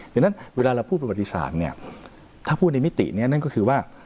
ดังนั้นเวลาเราพูดประวัติศาสตร์เนี่ยถ้าพูดในมิตินี้นั่นก็คือว่า